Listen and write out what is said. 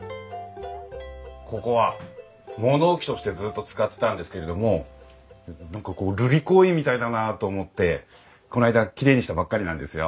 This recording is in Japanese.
ここは物置としてずっと使ってたんですけれども何かこう瑠璃光院みたいだなと思ってこの間きれいにしたばっかりなんですよ。